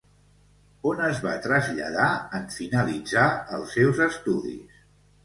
On es va traslladar en finalitzar els seus estudis?